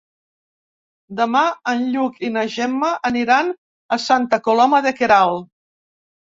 Demà en Lluc i na Gemma aniran a Santa Coloma de Queralt.